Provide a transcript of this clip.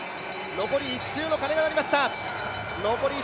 残り１周の鐘が鳴りました。